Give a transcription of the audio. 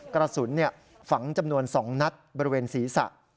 กระสุนฝังจำนวน๒นัดบริเวณศีรษะ